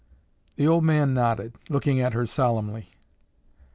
The old man nodded, looking at her solemnly.